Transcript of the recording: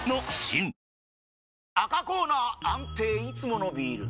赤コーナー安定いつものビール！